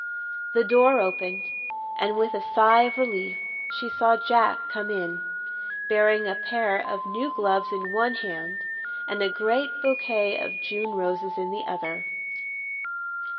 The door opened, and with a sigh of relief she saw Jack come in, bearing a pair of new gloves in one hand and a great bouquet of June roses in the other.